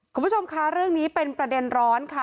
คุณผู้ชมคะเรื่องนี้เป็นประเด็นร้อนค่ะ